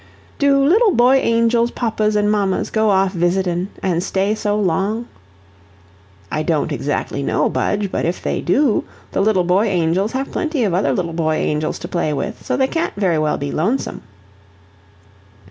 "Do little boy angels' papas an' mammas go off visitin', an' stay so long?" "I don't exactly know, Budge, but if they do, the little boy angels have plenty of other little boy angels to play with, so they can't very well be lonesome."